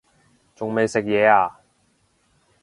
仲未食嘢呀